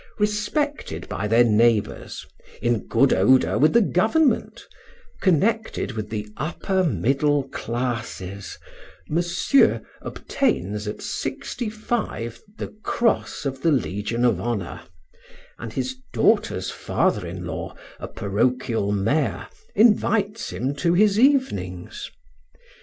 Respected by their neighbors, in good odor with the government, connected with the upper middle classes, Monsieur obtains at sixty five the Cross of the Legion of Honor, and his daughter's father in law, a parochial mayor, invites him to his evenings.